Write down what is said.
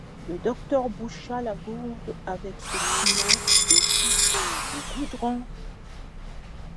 Le docteur boucha la gourde avec ce funin, et dit :— Du goudron.